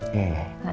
jangan lupa istirahat